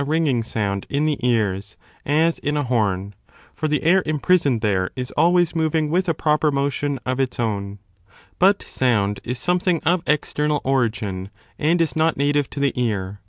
16 420 Ὁ 11 87 the ears, 85 in ἃ horn: for the air imprisoned there is always moving with a proper motion ofits own. But sound is something of external origin and is not native to the ear.